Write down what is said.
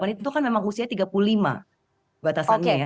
itu kan memang usianya tiga puluh lima batasannya